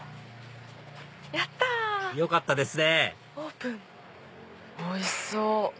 やった！よかったですねおいしそう！